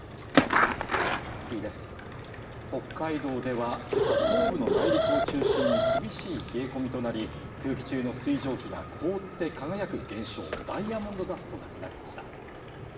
北海道では今朝、東部の内陸を中心に厳しい冷え込みとなり空気中の水蒸気が凍って輝く減少、ダイヤモンドダストが見られました。